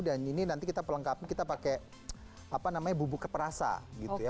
dan ini nanti kita pelengkapi kita pakai apa namanya bubuk keperasa gitu ya